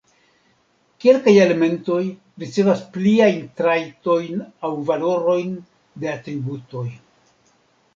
Kelkaj elementoj ricevas pliajn trajtojn aŭ valorojn de atributoj.